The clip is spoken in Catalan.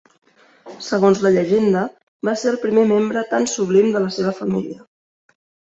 Segons la llegenda, va ser el primer membre tan sublim de la seva família.